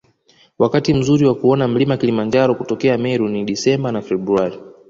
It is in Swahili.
Wakati mzuri wa kuona mlima Kilimanjaro kutokea Meru ni Desemba na Februari